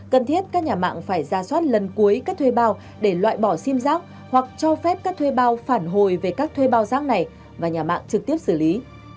cần thiết các nhà mạng phải ra soát lần cuối các thuê bao để loại bỏ sim giác hoặc cho phép các thuê bao phản hồi về các thuê bao rác này và nhà mạng trực tiếp xử lý